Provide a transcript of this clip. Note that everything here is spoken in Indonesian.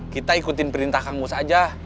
kita ikutin perintah kang bus aja